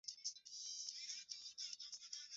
Kulingana na Wajackoya reli hiyo hiyo ni ishara ya ukoloni